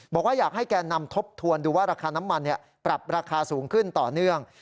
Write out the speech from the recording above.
บอกว่าอยากให้แก่นำทบทวนดูว่าราคาน้ำมันปรับราคาสูงขึ้นต่อเนื่อง